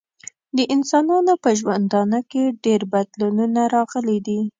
د انسانانو په ژوندانه کې ډیر بدلونونه راغلي دي.